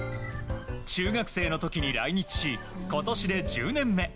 中学生の時に来日し今年で１０年目。